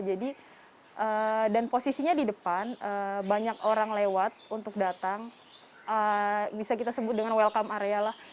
jadi dan posisinya di depan banyak orang lewat untuk datang bisa kita sebut dengan welcome area lah